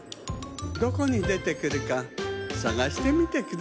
どこにでてくるかさがしてみてくださいね。